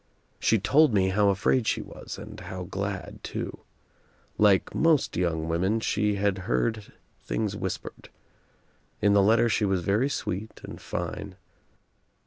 She told me how afraid she was and how glad too. Like most young women she had heard things whispered. In the letter she was very sweet and fine.